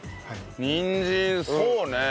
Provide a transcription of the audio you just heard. にんじんそうね。